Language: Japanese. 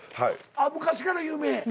昔から有名？